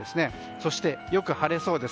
そして、よく晴れそうです。